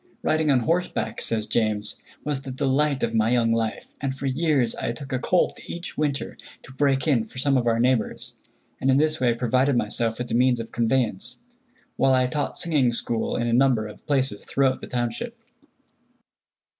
"Riding on horseback," says James, "was the delight of my young life, and for years I took a colt each winter to break in for some of our neighbors, and in this way provided myself with the means of conveyance, while I taught singing school in a number of places throughout the township."